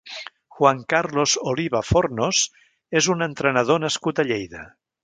Juan Carlos Oliva Fornos és un entrenador nascut a Lleida.